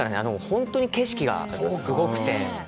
本当に景色がすごくて。